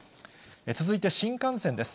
続いて新幹線です。